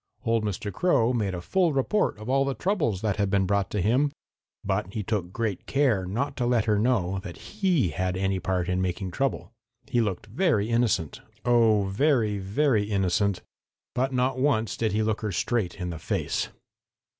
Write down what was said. Old Mr. Crow made a full report of all the troubles that had been brought to him, but he took great care not to let her know that he had had any part in making trouble. He looked very innocent, oh, very, very innocent, but not once did he look her straight in the face.